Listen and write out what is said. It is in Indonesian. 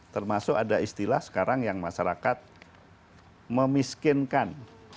termasuk ada istilah sekarang yang masyarakat memiskinkan